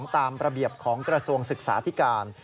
ตามระเบียบของกระทรวงศึกษาธิการ